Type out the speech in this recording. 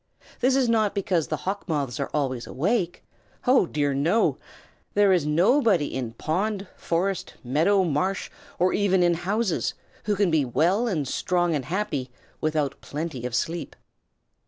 This is not because the Hawk Moths are always awake. Oh dear, no! There is nobody in pond, forest, meadow, marsh, or even in houses, who can be well and strong and happy without plenty of sleep.